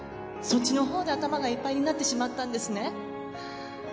そっちのほうで頭がいっぱいになってしまったんですね。